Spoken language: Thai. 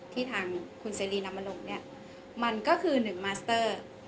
ที่ทางคุณเสรีนำมาลงเนี่ยมันก็คือ๑มาสเตอร์